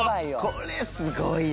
「これすごいな」